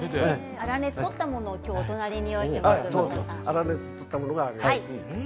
粗熱を取ったものをお隣に用意しています。